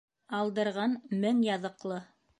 Алдырған мең яҙыҡлы.